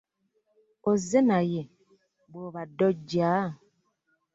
Ozze naye bw'obadde ojja?